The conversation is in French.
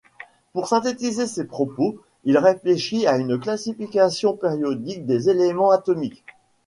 Pour synthétiser ses propos, il réfléchit à une classification périodique des éléments atomiques.